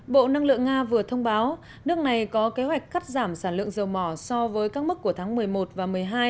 bộ năng lượng nga vừa thông báo nước này có kế hoạch cắt giảm sản lượng dầu mỏ so với các mức của tháng một mươi một và một mươi hai